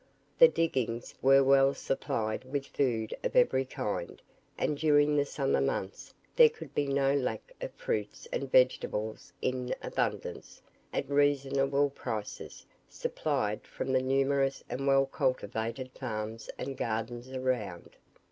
The diggings were well supplied with food of every kind; and during the summer months there could be no lack of fruits and vegetables in abundance, at reasonable prices, supplied from the numerous and well cultivated farms and gardens around.